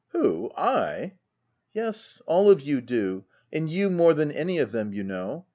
"'Who— I?' "' Yes — all of you do, — and you more than any of them, you know.